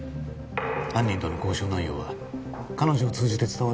犯人との交渉内容は彼女を通じて伝わるようになります